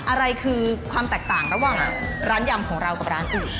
อะไรคือความแตกต่างระหว่างร้านยำของเรากับร้านอื่น